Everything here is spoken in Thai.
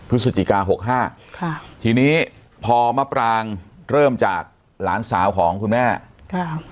พฤศจิกาหกห้าค่ะทีนี้พอมะปรางเริ่มจากหลานสาวของคุณแม่ค่ะ